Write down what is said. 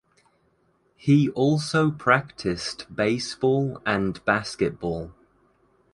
He also practiced baseball and basketball.